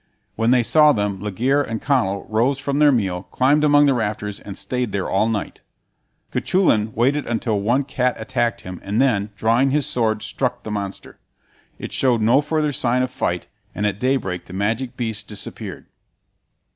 When they saw them Laegire and Conall rose from their meal, climbed among the rafters, and stayed there all night. Cuchulain waited until one cat attacked him, and then, drawing his sword, struck the monster. It showed no further sign of fight, and at daybreak the magic beasts disappeared.